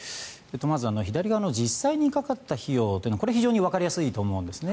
まず左側の実際にかかった費用というのはこれは非常にわかりやすいと思うんですね。